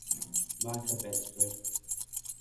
Like a bedspread.